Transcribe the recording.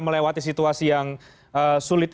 melewati situasi yang sulit